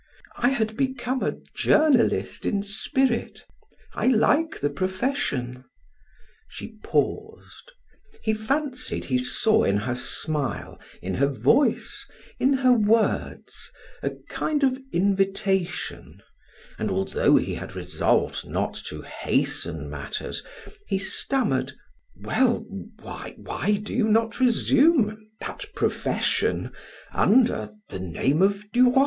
"I had become a journalist in spirit. I like the profession." She paused. He fancied he saw in her smile, in her voice, in her words, a kind of invitation, and although he had resolved not to hasten matters, he stammered: "Well why why do you not resume that profession under the name of Duroy?"